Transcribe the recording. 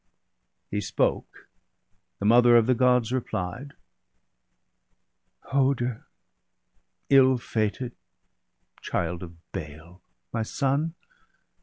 ''' He spoke ; the mother of the Gods repHed :—* Hoder, ill fated, child of bale, my son.